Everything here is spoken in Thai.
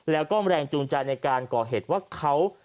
แล้วก็แรงจูงใจในการก่อเหตุว่าเขา